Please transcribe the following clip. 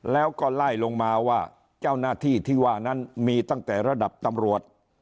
แล้วก็ไล่ลงมาว่าเจ้าหน้าที่ที่ว่านั้นมีตั้งแต่ระดับตำรวจ